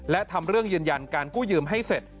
และทำเรื่องยืนยันการกู้ยืมให้เสร็จ